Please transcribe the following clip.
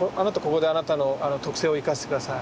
ここであなたの特性を生かして下さい。